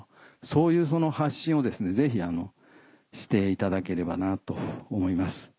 そういう発信をぜひしていただければなと思います。